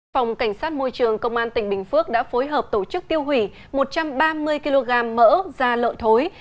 phòng cảnh sát môi trường công an tỉnh bình phước đã phối hợp tổ chức tiêu hủy một trăm ba mươi kg mỡ da lợn thối